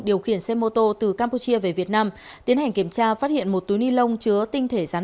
điều khiển xe mô tô từ campuchia về việt nam tiến hành kiểm tra phát hiện một túi ni lông chứa tinh thể rắn